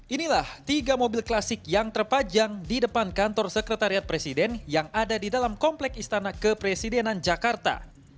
inilah tiga mobil klasik yang terpajang di depan kantor sekretariat presiden yang ada di dalam komplek istana kepresidenan jakarta